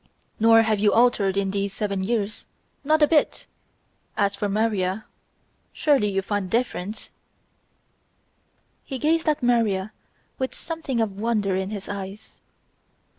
"Nor have you altered in these seven years; not a bit; as for Maria ... surely you find a difference!" He gazed at Maria with something of wonder in his eyes.